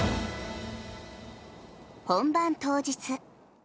本番当日。